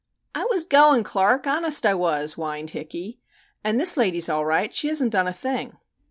] "I was going, Clark, honest I was," whined "Hickey," "and this lady's all right she hasn't done a thing."